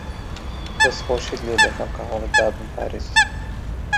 دەستخۆشیت لێ دەکەم کە هەوڵت دا بمپارێزیت.